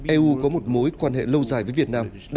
eu có một mối quan hệ lâu dài với việt nam